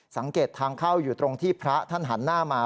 สังเกตทางเข้าอยู่ตรงที่พระท่านหันหน้ามา